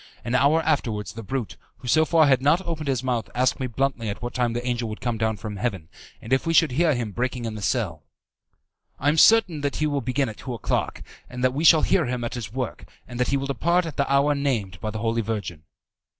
An hour afterwards the brute, who so far had not opened his mouth, asked me bluntly at what time the angel would come down from heaven, and if we should hear him breaking in the cell. "I am certain that he will begin at two o'clock, that we shall hear him at his work, and that he will depart at the hour named by the Holy Virgin."